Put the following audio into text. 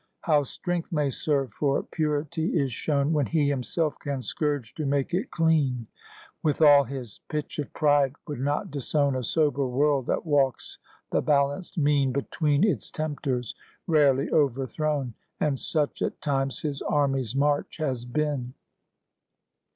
How strength may serve for purity is shown When he himself can scourge to make it clean. Withal his pitch of pride would not disown A sober world that walks the balanced mean Between its tempters, rarely overthrown: And such at times his army's march has been.